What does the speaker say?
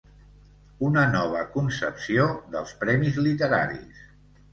Una nova concepció dels premis literaris.